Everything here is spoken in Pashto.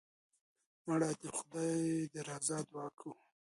مړه ته د خدای د رضا دعا کوو